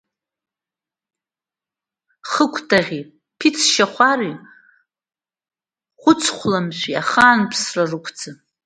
Хыкәтаӷьи, Ԥицшьахәари, Хәыцхәламшәи ахаан ԥсра рықәӡам.